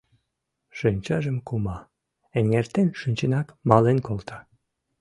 Шинчажым кума, эҥертен шинчынак мален колта.